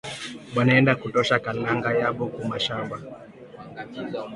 Banaenda kutosha kalanga yabo kumashamba